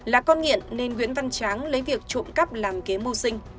là con nghiện nên nguyễn văn tráng lấy việc trộm cắp làm kế mưu sinh